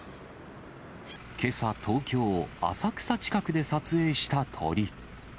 けさ、東京・浅草近くで撮影した鳥。